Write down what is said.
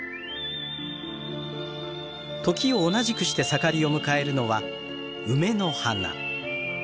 時を同じくして盛りを迎えるのは梅の花。